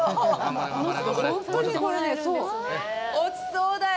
落ちそうだよ。